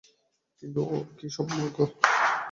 কিন্তু, ওর কী সৌভাগ্য!